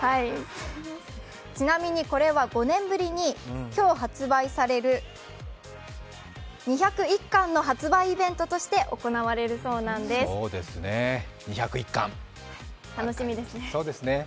ちなみにこれは５年ぶりに今日発売される２０１巻の発売イベントとして行われるそうなんです。